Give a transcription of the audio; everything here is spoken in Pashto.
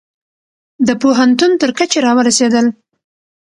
د پوهنتون تر کچې را ورسیدل